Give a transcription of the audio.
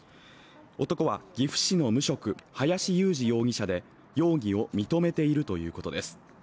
男は岐阜市の無職・林雄司容疑者で容疑を認めているということです。